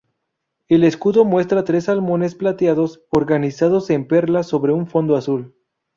El escudo muestra tres salmones plateados, organizados en perla sobre un fondo azul.